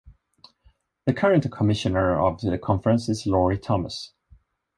The current commissioner of the conference is Lori Thomas.